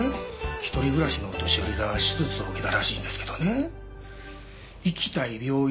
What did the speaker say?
独り暮らしのお年寄りが手術を受けたらしいんですけどね行きたい病院